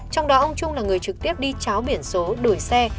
trong đó ông trung là người trực tiếp đi cháo biển số đổi xe